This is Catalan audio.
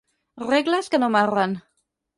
Regles que no marren”.